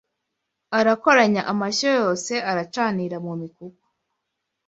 Arakoranya amashyo yose, aracanira mu mikuku